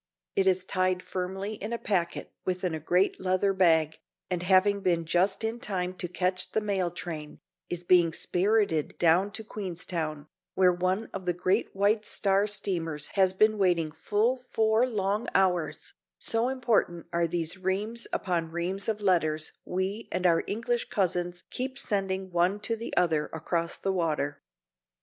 It is tied firmly in a packet within a great leather bag, and, having been just in time to catch the mail train, is being spirited down to Queenstown, where one of the great White Star steamers has been waiting full four long hours, so important are these reams upon reams of letters we and our English cousins keep sending one to the other across the water.